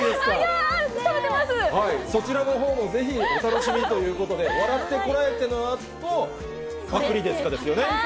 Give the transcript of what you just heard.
そちらのほうもぜひお楽しみにということで、笑ってコラえて！のあと、パクリですか？ですよね。